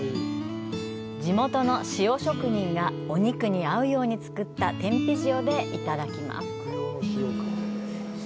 地元の塩職人が、お肉に合うように作った天日塩でいただきます。